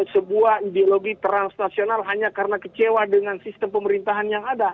sebuah ideologi transnasional hanya karena kecewa dengan sistem pemerintahan yang ada